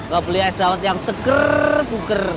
gak beli es dawet yang seger ger